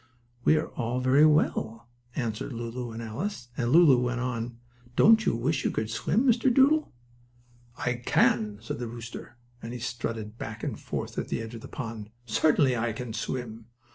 "We are very well," answered Lulu and Alice, and Lulu went on: "Don't you wish you could swim, Mr. Doodle?" "I can," said the rooster, and he strutted back and forth at the edge of the pond. "Certainly I can swim.